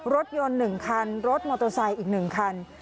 รถยนต์๑คันรถมอเตอร์ไซค์อีก๑คัน